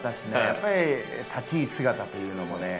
やっぱり立ち居姿というのもね